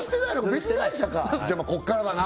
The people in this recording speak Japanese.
別会社かじゃまっここからだな